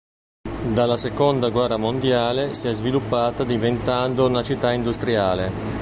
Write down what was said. Dalla seconda guerra mondiale si è sviluppata diventando una città industriale.